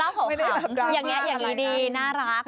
เล่าขวัญข่าวอย่างนี้น่ารัก